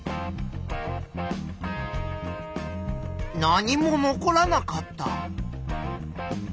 何も残らなかった。